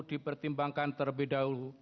dipertimbangkan terlebih dahulu